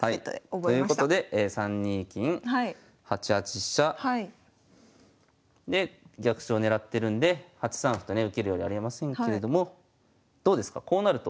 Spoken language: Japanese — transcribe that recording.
ということで３二金８八飛車。で逆襲を狙ってるんで８三歩とね受けるよりありませんけれどもどうですかこうなると。